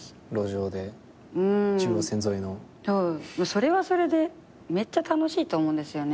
それはそれでめっちゃ楽しいと思うんですよね。